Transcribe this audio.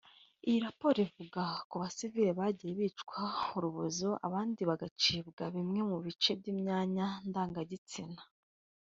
Iyo raporo ivuga ko abasivili bagiye bicwa urubozo abandi bagacibwa bimwe mu bice by’imyanya ndangagitsina